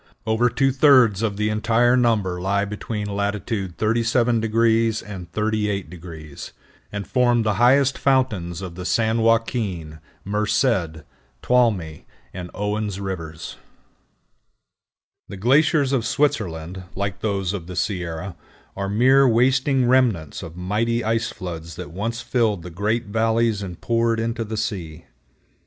Over two thirds of the entire number lie between latitude 37° and 38°, and form the highest fountains of the San Joaquin, Merced, Tuolumne, and Owen's rivers. The glaciers of Switzerland, like those of the Sierra, are mere wasting remnants of mighty ice floods that once filled the great valleys and poured into the sea.